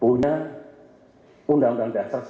punya undang undang dasar semesta